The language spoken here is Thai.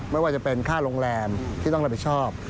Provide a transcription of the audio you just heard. ไม่ว่าจะเป็นค่าโรงแรมที่ต้องรับผิดชอบ